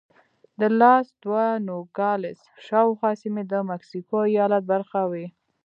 د لاس دو نوګالس شاوخوا سیمې د مکسیکو ایالت برخه وې.